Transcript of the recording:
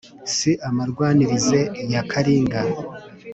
si amarwanirize ya kalinga